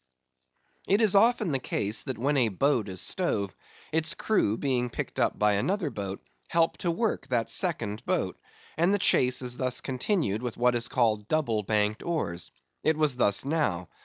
It is often the case that when a boat is stove, its crew, being picked up by another boat, help to work that second boat; and the chase is thus continued with what is called double banked oars. It was thus now.